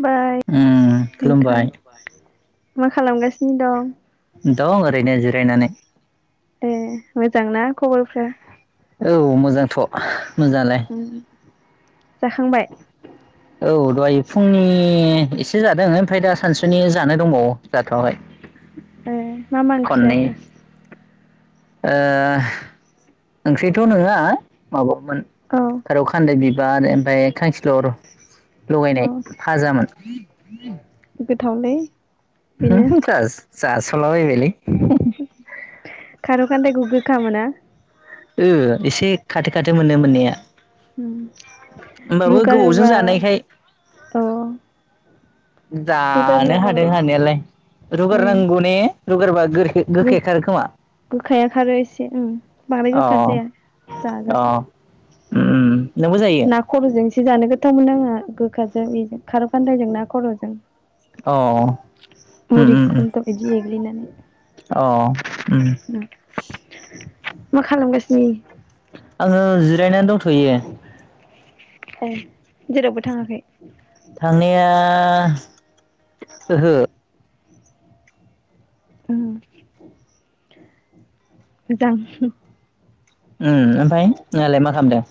बाय उम नोंथां खुलुमबाय मा खालामगासिनो दं दं ओरैनो जिरायनानै ए मोजांना खबरफ्रा? औ मोजांथ' मोजाङालाय उम जाखांबाय? औ दहाय फुंनि एसे जादों ओमफ्राय दा सानसुनि जानो दंबावो जाथवाखै एह मा मा ओंख्रि खननै जाखो? ओ ओंख्रिथ नङा माबा मोन औ खार' खान्दाय बि बार ओमफाय खांखिलर लगायनाय औ भाजामोन [inaudible] गोथावलै बेनो [unintelligible] जासावलाबायबायलै खार'खान्दायखौ गोखा मोना? ओ एसे खाथो खाथो मोनो मोननाया। उम होमबाबो गोबावजों रुगारोबा जानायखाय अ। जानो रुगारब्ला हादों बांद्राय हानायालाय रुगार नांगौ ने? रुगारबा। गोखै गो गोखाया खारो खोमा गोखाया खारो एसे उम बांद्राय अ गोखा जाया अ जाजासायो। उम। नोंबो जायो ना खर' जों। जि जानो गोथावमोनो आंहा गोखाजों बेजों खार' खान्दायजों ना खर'जों। अ ओम ओम मुरि ओम गुन्द्रुक बिदि एग्लिनानै अ ओम। मा खालामगासिनो एयो। आङो जिरायनानै दंथ। थयो। औ। थांनाया ओहो। ओं। मोजां। ओम ओमफाय नोंहालाय मा खालामदों?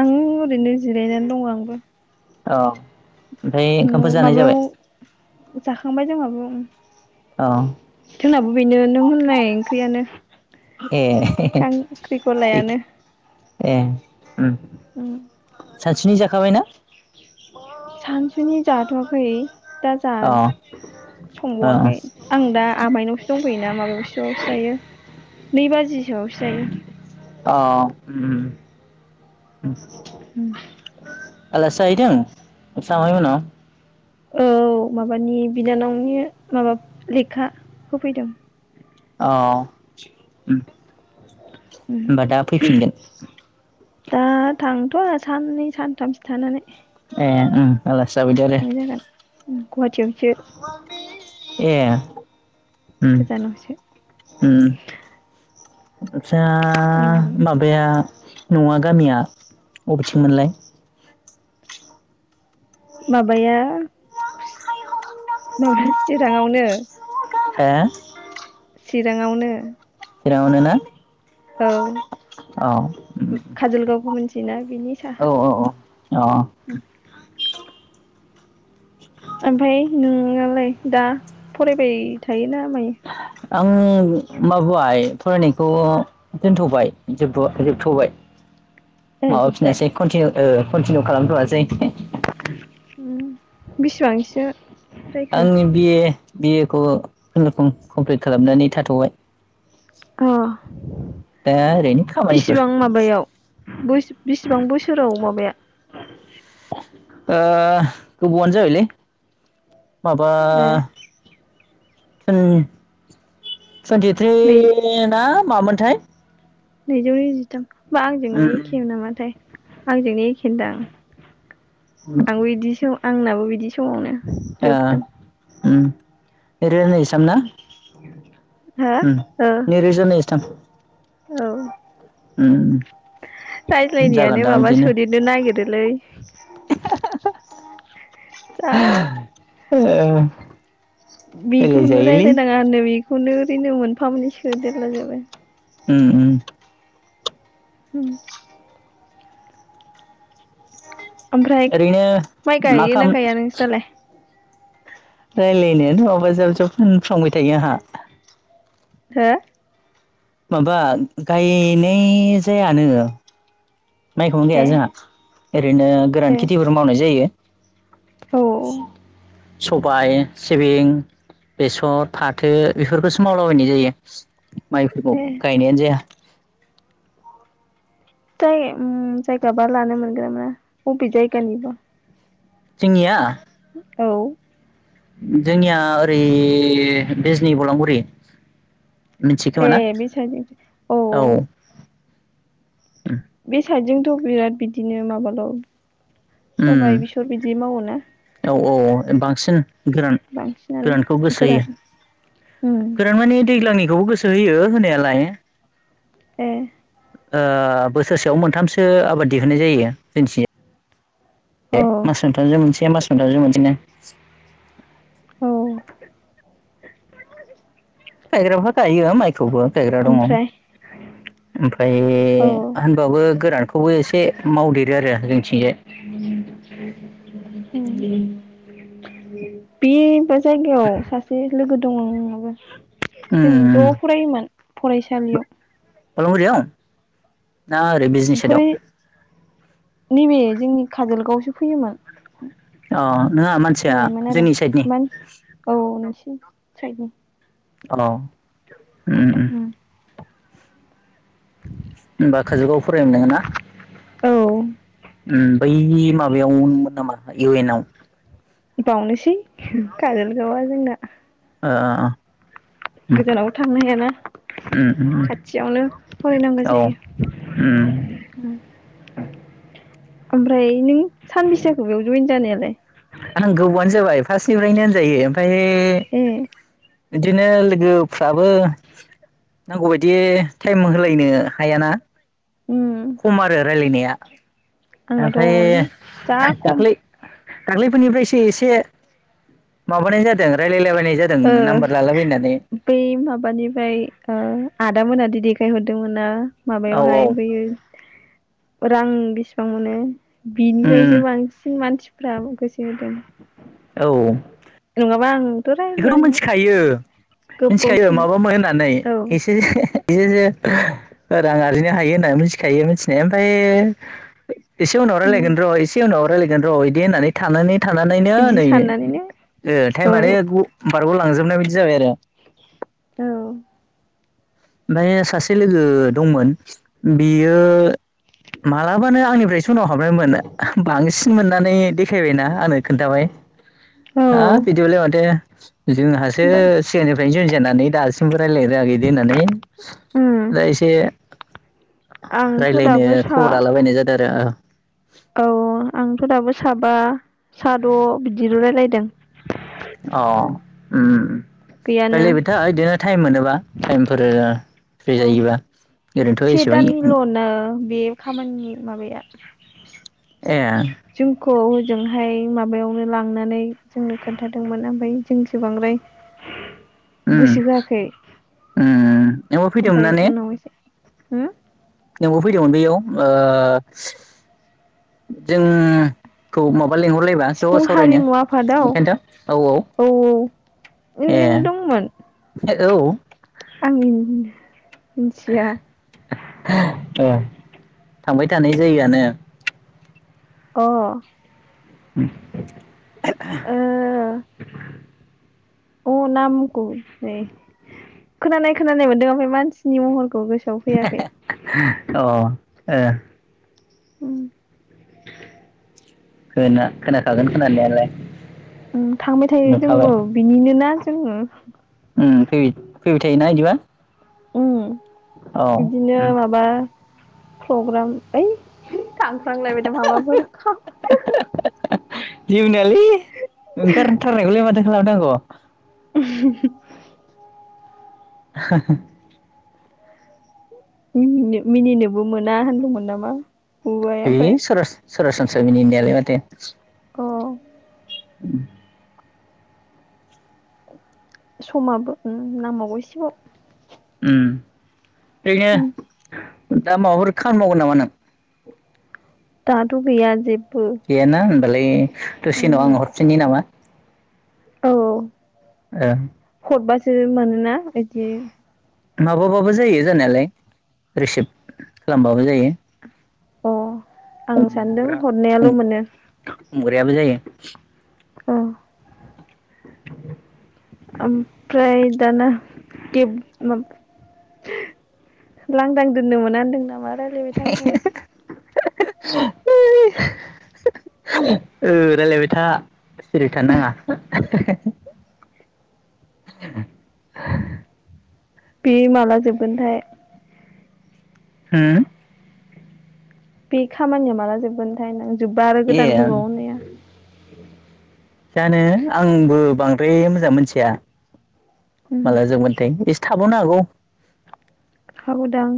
आं ओरैनो जिरायनानै दङ आंबो। अ। ओमफाय न' ओंखामफोर जानाय माबायाव जाबाय? जाखांबाय जोंहाबो। अ। जोंनाबो बेनो नों होननाय ओंख्रियानो। ए खांख्रिखलायानो [inaudible] ए ओम। उम। सानसिनि जाखाबायना? सानसुनि जाथवाखै। दा अ जानो अ संबावाखै आं दा आमाइनावसो दंफैयोना माबा सोआवसो जायो। नै बाजिसोआवसो जायो। अ उम। उम [unintelligible] आलासि जाहैदों नोंसा आमाइ मोननाव? औ माबानि बिनानावनि माबा लेखा होफैदों। अ ओम। उम होमबा दा फैफिनगोन। दा थांथ'आ साननै सानथामसो थानानै। ए ओम आलासि जाफैदो आरो ओम गुवाहाटीयाव [unintelligible] ए ओम गोजानावसो ओम [unintelligible] सा उम माबाया न'आ गामिया अबेथिंमोनलाय? माबाया माबा चिराङावनो। हो चिराङावनो सिरांआवनो औ काजलगावखौ मिथियोना बिनि औ साहा अ ओमफ्राय नों नालाय दा फरायबाय थायोना मायो [inaudible] आं माबाय फरायनायखौ दोनथ'बाय जोबथ'-जोबथ'बाय। ए जोब्बाय माबाफिननासै खन्थि ओ कन्टिनिउ खालामथ'आसै। बेसेबांसो जायखो आंनि बि ए बि ए खौ खुनुरुखुम कमप्लिट खालामनानै थाथ'बाय। अ दा ओरैनो खामानिफोर बेसेबां माबायाव बेसेबां बोसोराव माबाया? ओं गोबावआनो जाबायलैय। माबा ए [unintelligible] टुन्टि थ्रि नै ना मामोनथाय नैजौ नैजिथाम। होमबा उम आंजोंनो एखे नामाथाय आंजोंनो एखेदां आंबो इदिस आंनाबो बिदि समावनो। ओ जोबदों ओम नैरोजा नैजिथामना हो उम ओ नैरोजा नै [inaudible] औ [inaudible] उम रायज्लायनायानो जागोनदां माबा बिदिनो सोदेरनो नागिरोलै जा [unintelligible] ओ बिखौनो रायलाय नाङा होनदों बि खौनो ओरैनो मोनफा मोननै सोदेरला जोबो। उम उम उम आमफ्राय ओरैनो माइ मा गायोना खाम गाया नोंस्रालाय राय्लायनायानो माबा जाब जाब होनफ्लांबाय थायो आंहा हो माबा गायनाय जायानो माइखौनो गाया ए जोंहा ओरैनो ए गोरान खेथिफोर मावनाय जायो। औ [inaudible] सबाय सिबिं बेसर फाथो बेफोरखौसो मावलाबायनाय जायो। माइफोरखौ ए गायनायानो जाया जायो उम जायगाबा लानो मोनगोना मोना अबे जायगानिबा जोंनिया औ जोंनिया ओरै बिजनि बलामगुरि ए बे साइड जों औ उम साइड जोंथ' बिराद बिदिनो माबाल सबाय उम बिसर बिदि मावोना? औ औ अ बांसिन गोरान बांसिनानो गोरानखौ गोसो गोरान होयो उम गोरान माने दैलांनि खौबो गोसो होयो होनायालाय ए ओ बोसोरसेयाव मोनथामसो आबाद दिहुननाय जायो जोंनिथिंजाय औ बे मास मोनथाम जो मोनसे ए मास मोनथामजो मोनसेनो औ गायग्राफ्रा गायो माइ खौबो गायग्रा दङ। ओमफ्राय उम फाय औ होनबाबो गोरान खौबो एसे मावदेरो आरो जोंनिथिंजाय। ओम बे बास जायगायाव सासे लोगो दङ आंनाबो उम जों जफरायोमोन फरायसालियाव फालागुरियाव ना ओरै बिजनि ओमफ्राय साइदआव नैबे जोंनि काजलगावस फैयोमोन अ नोंहा मानसिया फैनायमोन आरो जोंनि साइडनि मान औ नोंसि सायदनो हेलौ उम उम होमबा काजुलगावयाव फरायोमोन नोङो ना? औ ओम बै माबायावमोन नामा इउ एन आव बावनोसै खाजोल गावया जोंना आ गोजानाव थांनो हायाना उम उम उम खाथियावनो फरायनांगौ औ जायो उम ओमफ्राय नों सानबिसेजाखो बेयाव जयेन जानायालाय? [unintelligible] आं गोबावानो जाबाय फार्स्टनिफ्रायनो होनजायो फाय ए बिदिनो लोगोफ्राबो नांगौबायदि टाइम होलायनो हायाना उम खम आरो रायज्लायनाया [inaudible] आंनाथ' ओमफ्राय जा खम दाख्लै दाख्लैफोरनिफ्रायसो एसे माबानाय जादों रायलायलाबायनाय जादों ओ नाम्बार लालाबायनानै बै माबानिफ्राय आदा मोनादि देखायहरदों दोंमोनना? औ औ माबायावहाय बैयो। रां बेसेबां मोनो? उम बिनिफायसो बांसिन मानसि। फ्राय गोसो होदों। औ। नङाबा आं। बेखौथ' मोनथिखायो मोनथिखायो गोबावसैमोन माबामोन होननानै औ एसे [unintelligible] बि जे रां आरजिनो हायो होननानै मोनथिखायो मिथिनाय ओमफाय। एसे उनाव उम रायलायगोन र एसे उनाव। रायलायगोन र इदि होननानै थानानै। थानानैनो बिदि नै साननानैनो ओ औ टाइमानो। औ लांजोबनाय बायदि जाबाय आरो। औ। [unintelligible] सासे लोगो दंमोन बियो मालाबानो आंनिफ्राय सनाव हाबनायमोन बांसिन मोननानै देखायबायना आंनो खोन्थाबाय। औ हाब बिदिबालाय माथो। लांदां जोंहासो बाट सिगांनिफ्रायनो जानानै दासिमबो रायलायनो रोङाखै इदि होननानै। उम जा एसे आंथ' रायलायनो दाबो सा खबर लाला बायनाय जादों। [unintelligible] औ आंथ दाबो साबा साद बिदिल रायलायदों। अ उम उम। गैयानो रायलायबाय था इदिनो टाइम मोनोबा टाइमफोर फ्रि औ जायोबा ओरैनोथ से एसेबां। दाननिल'नो बे खामानिनि माबाया ए। [unintelligible] जोंहाय माबायावनो लांनानै जोंनो खोन्थादोंमोन ओमफाय जोंसो बांद्राय। उम उम गोसो होआखै उम नआव फैदोंमोन ओमफ्राय ना ने? उनाव एसे हो? नोंबो फैदोंमोन बेयाव ओ जों खौ मा लिंहरलायबा ज सिफुं सावरायनो हारिमु आफादाव बेखायनोथ औ औ नों ए। औ। आमिन। मिनथिया। [unintelligible] थांबाय थानाय जायोआनो। अ। लांदां लांदां अ नामखौ खोनानाय खोनानाय मोनदों ओमफ्राय मानसिनि महर खौ गोसोआव फैयाखै अ ओ लांदां खोना-खोनाखागोन खोनानायालाय उम थांबाय थायो नुखाबाय जोंबो बिनिनोना जोङो। फै फैबाय थायोना बिदिबा? उम बिदिनो माबा प्रग्राम ओइ थांफ्लांलायबायदा [unintelligible] [unintelligible] है ओंखारथारनायखौलाय माथो खालामनांगौ [unintelligible] [unintelligible] मिनिनो मिनिनोबो मोना होनदोंमोन नामा? [unintelligible] बुबाय ओमफ्राय [unintelligible] मिनिनायालाय माथो अ उम समाबो ओ नांबागौ एसेबाव उम उम ओरैनो दा माबाफोर खामानि मावगोन नामा नों? दाथ' गैया जे गैया ना उम बालाय दसे उनाव आं उमहो हरफिननि नामा? औ ओ हरबासो मैनोना इदि माबाबाबो जायो जानायालाय रिसिभ खालामबाबो जायो। अ आं सानदों हमग्रा हरनायाल' हम मोनो। हमग्रायाबो जायो अ [inaudible] ओमफ्राय दाना गेब माबा लांदां दोननो मोना होनदों नामा? रायलायबाय था होनदोंमोन। [unintelligible] रायलायबाय था। सिरि थानाङा। [unintelligible] बे माला जोबगोनथाय? हुम। बे खामानिया माला जोबगोनथाय होनदों। जोबबा आरो ए गोदान फैबावो ने? जानो आंबो बांद्राय मोजां मोनथिया। उम माला जोबगोनथाय थाबावनो हागौ। औ दां।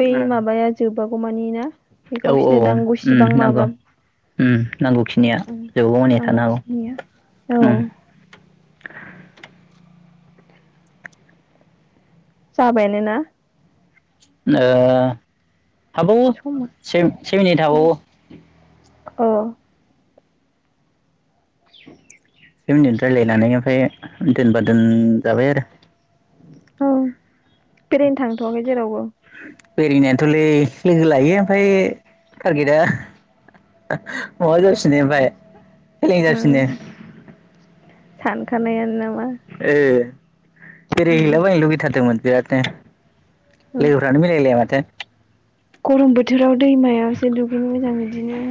बै उम माबाया जोब बागौमानि ना? बे औ औ गावसिनो उम नांगौसिबां नांगौ माबा उम नांगौखिनिया उम जोबागौ मानि थानो हागौ नांगौखिनिया औ उम। जाबायनो ना। ओ हाबावो समा से से मिनिट हाबावो। अ। से मिनिट रायलायनानै ओमफाय दोनबा दोनजाबाय आरो। औ। बेरायनो थांथ'वाखै जेरावबो। बेरायनायथ'लै लोगो लायो ओमफाय टारगेटआ माबा जासिनो ओमफाय। फेलें जाफिनो। उम सानखानायानो ना ए। बेराय उम हैला बायनो लुगै थारदोंमोन बिराद। [unintelligible] औ लोगोफ्रानो मिलायलाया माथो। गरम बोथोराव दैमायाव एसे दुगैनो मोजां बिदिनो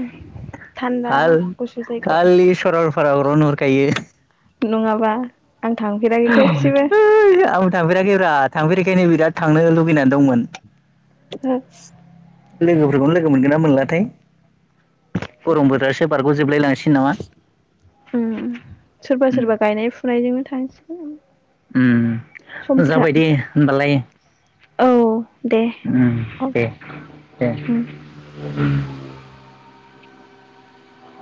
थान्दा गुसु जायगायाव। पाहारावल नुहुरखायो। नङाबा। आं थांफेराखै खेबसेबो। थांफेराखै रा थांफेरिखायनो बिराद थांनो लुगैनानै दंमोन। लोगोफोरखौनो लोगो मोनगोन ना मोनलाथाय, गम बोथोरासो बारग' जोबलाय लांनोसै नामा? उम सोरबा सोरबा गायनाय फुनायजोंनो थां ओम ओम जाबाय दे ओनबालाय, औ दे उम दे दे उम उ [unintelligible]